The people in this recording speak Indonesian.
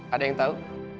ada yang tau